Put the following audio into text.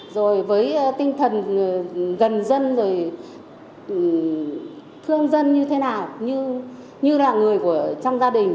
rồi với tinh thần gần dân rồi thương dân như thế nào như là người trong gia đình